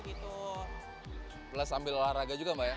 belas sambil berolahraga juga mbak ya